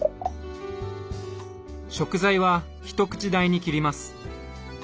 食材は一口大に切ります。